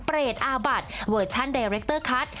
อาบัตรเวอร์ชันไดเรคเตอร์คัท